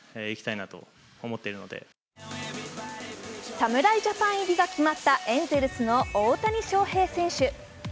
侍ジャパン入りが決まったエンゼルスの大谷翔平選手。